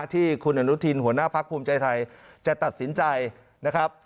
ที่คุณอนุทินหัวหน้าพักภูมิใจไทยจะตัดสินใจนะครับ